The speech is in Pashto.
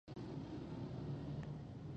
کورنۍ د ګډو خواړو له لارې خپل تړاو پیاوړی کوي